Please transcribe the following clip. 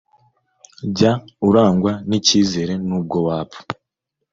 jya urangwa n icyizere nubwo wapfa